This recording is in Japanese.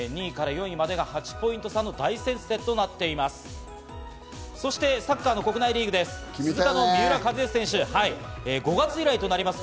２位から４位までが８ポイント差の大接戦となっています。